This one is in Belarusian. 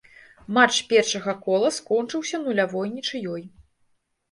Матч першага кола скончыўся нулявой нічыёй.